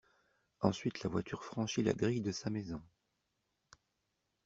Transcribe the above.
Ensuite, la voiture franchit la grille de sa maison.